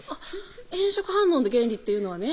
「炎色反応の原理っていうのはね